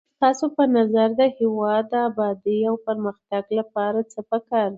تاسو به نظر دهېواد د ابادی او پر مختګ لپاره څه په کار دي؟